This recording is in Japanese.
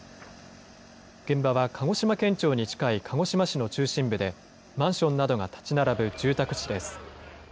現場は鹿児島県庁に近い鹿児島市の中心部で、マンションなどが建ち並ぶ住宅地です。